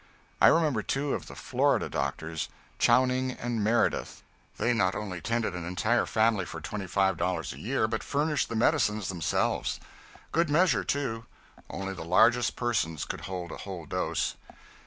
I remember two of the Florida doctors, Chowning and Meredith. They not only tended an entire family for $25 a year, but furnished the medicines themselves. Good measure, too. Only the largest persons could hold a whole dose.